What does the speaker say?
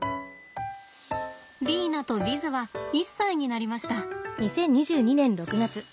リーナとヴィズは１歳になりました。